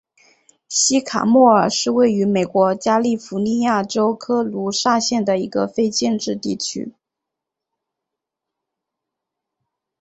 西卡莫尔是位于美国加利福尼亚州科卢萨县的一个非建制地区。